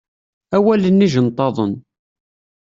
Awalen ijenṭaḍen.